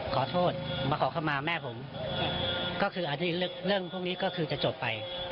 ขอโทษมาขอเข้ามาแม่ผมก็คืออันนี้เรื่องพวกนี้ก็คือจะจบไป